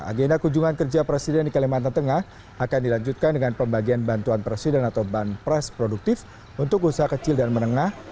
agenda kunjungan kerja presiden di kalimantan tengah akan dilanjutkan dengan pembagian bantuan presiden atau banpres produktif untuk usaha kecil dan menengah